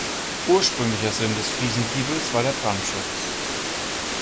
Ursprünglicher Sinn des Friesengiebels war der Brandschutz.